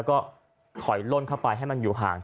ก็ถอยล่นเข้าไปให้มันอยู่ห่าง